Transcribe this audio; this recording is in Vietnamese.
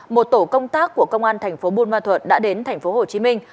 một tổ công tác của công an thành phố bôn ma thuột đã đến thành phố hồ chí minh